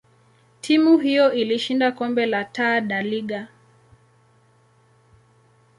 timu hiyo ilishinda kombe la Taa da Liga.